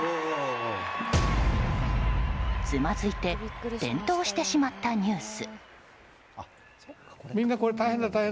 つまずいて転倒してしまったニュース。